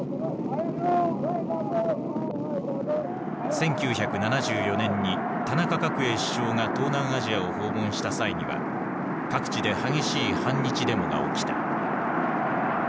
１９７４年に田中角栄首相が東南アジアを訪問した際には各地で激しい反日デモが起きた。